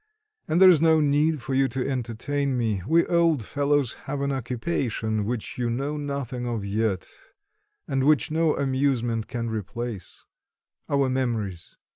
And there's no need for you to entertain me; we old fellows have an occupation which you know nothing of yet, and which no amusement can replace our memories."